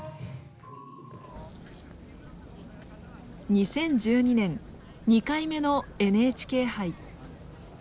２０１２年２回目のＮＨＫ杯。